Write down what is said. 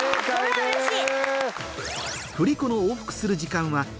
これはうれしい！